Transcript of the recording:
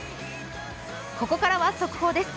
ここからは速報です。